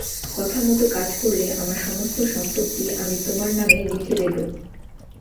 কথামতো কাজ করলে আমার সমস্ত সম্পত্তি আমি তোমার নামে লিখে দেবো।